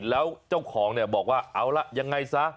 แล้วเจ้าของเนี่ยบอกว่าเอาล่ะยังไงซะ